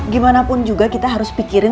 gimanapun juga kita harus pikirin